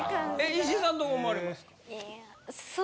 石井さんどう思われますか？